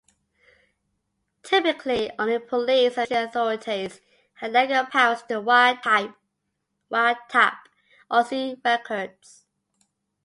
Typically only police and military authorities had legal powers to wiretap or see records.